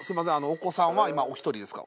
お子さんは今お一人ですか？